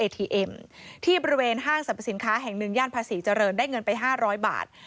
ทีเอ็มที่บริเวณห้างสรรพสินค้าแห่งหนึ่งย่านภาษีเจริญได้เงินไป๕๐๐บาท